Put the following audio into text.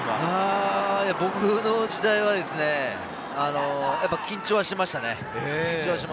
僕の時代は緊張はしましたね。